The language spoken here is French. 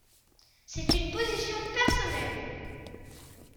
C’est une position personnelle.